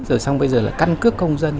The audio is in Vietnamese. rồi xong bây giờ là căn cước công dân